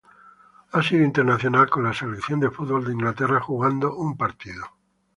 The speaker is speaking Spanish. Ha sido internacional con la selección de fútbol de Inglaterra, jugando un partido.